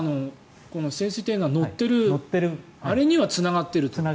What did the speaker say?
この潜水艇が載っているあれにはつながっていると。